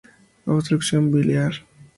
Obstrucción biliar.